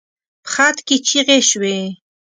په خط کې چيغې شوې.